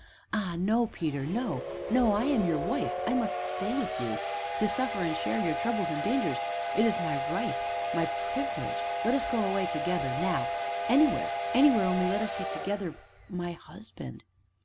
ah no, Peter no no, I am your wife I must stay with you to suffer and share your troubles and dangers it is my right my privilege. Let us go away together, now anywhere anywhere, only let us be together my husband."